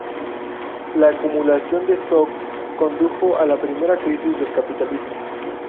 La acumulación de stocks condujo a la primera crisis del capitalismo.